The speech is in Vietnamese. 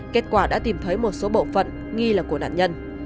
kết quả đã tìm thấy một số bộ phận nghi là của nạn nhân